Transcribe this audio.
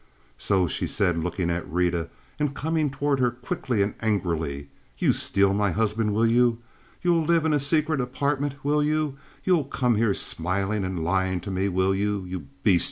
"So," she said, looking at Rita, and coming toward her quickly and angrily, "you'll steal my husband, will you? You'll live in a secret apartment, will you? You'll come here smiling and lying to me, will you? You beast!